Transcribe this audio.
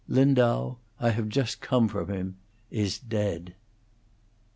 Lindau I have just come from him is dead."